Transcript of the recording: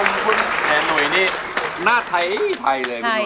นมคุณแทนหนุ่ยนี่หน้าไทยไทยเลยคุณหนุ่ย